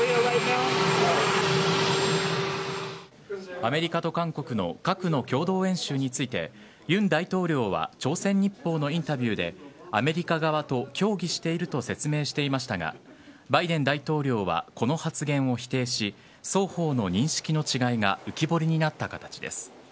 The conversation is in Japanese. アメリカと韓国の核の共同演習について尹大統領は朝鮮日報のインタビューでアメリカ側と協議していると説明していましたがバイデン大統領はこの発言を否定し双方の認識の違いが浮き彫りになった形です。